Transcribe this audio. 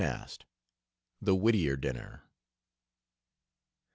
NAST. THE WHITTIER DINNER.